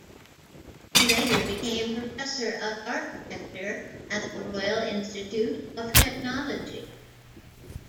He later became professor of architecture at the Royal Institute of Technology.